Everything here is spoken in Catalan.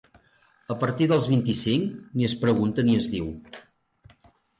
A partir dels vint-i-cinc, ni es pregunta ni es diu.